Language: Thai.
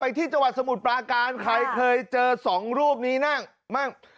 ที่จังหวัดสมุทรปราการใครเคยเจอสองรูปนี้นั่งมั่ง